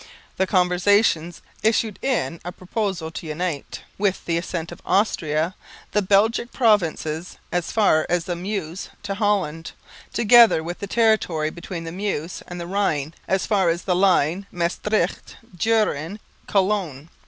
The conversations issued in a proposal to unite (with the assent of Austria) the Belgic provinces as far as the Meuse to Holland together with the territory between the Meuse and the Rhine as far as the line Maestricht Düren Cologne.